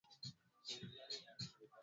kuwakamata wapinzani na kuwatesa mateka